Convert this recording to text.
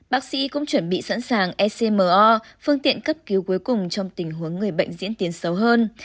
bác sĩ cũng chuẩn bị sẵn sàng ecmo phương tiện cấp cứu cuối cùng trong tình huống người bệnh diễn tiến xấu hơn